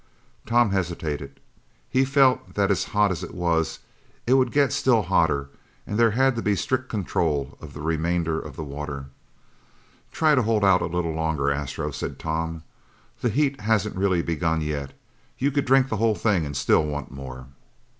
Tom hesitated. He felt that as hot as it was, it would get still hotter and there had to be strict control of the remainder of the water. "Try to hold out a little longer, Astro," said Tom. "This heat hasn't really begun yet. You could drink the whole thing and still want more."